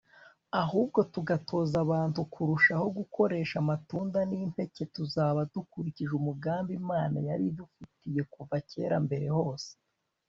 ahubwo tugatoza abantu kurushaho gukoresha amatunda n'impeke, tuzaba dukurikije umugambi imana yari idufitiye kuva mbere hose